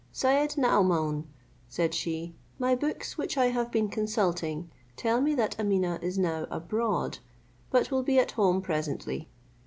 "Syed Naomaun," said she, "my books which I have been consulting tell me that Ameeneh is now abroad, but will be at home presently.